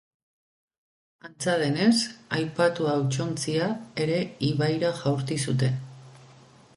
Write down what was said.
Antza denez, aipatu hautsontzia ere ibaira jaurti zuten.